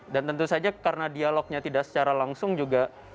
dan tentu saja karena dialognya tidak secara langsung juga